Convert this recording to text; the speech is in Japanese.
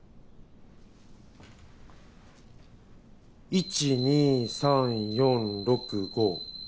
「１２３４６５」。